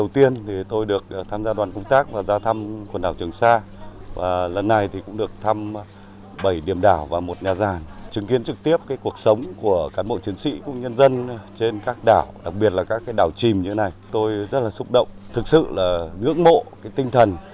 trường sa nói rằng đặc biệt là các đảo trìm như thế này tôi rất là xúc động thực sự là ngưỡng mộ cái tinh thần